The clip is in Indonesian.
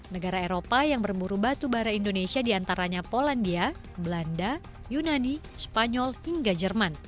negara eropa yang bermuru batubara indonesia di antaranya polandia belanda yunani spanyol hingga jerman